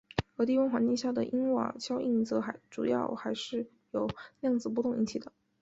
而低温环境下的因瓦效应则主要是由于量子波动引起的。